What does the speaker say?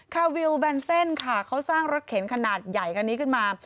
คาวิวแบนเซ่นค่ะเขาสร้างรถเข็นขนาดใหญ่คันนี้ขึ้นมา